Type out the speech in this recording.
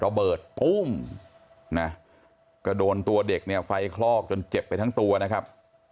ระเบิดกระโดนตัวเด็กไฟคลอกจนเจ็บไปทั้งตัวนะครับ